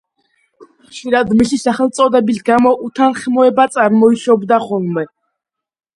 ხშირად მისი სახელწოდების გამო უთანხმოება წარმოიშობოდა ხოლმე.